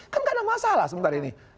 kan tidak ada masalah sementara ini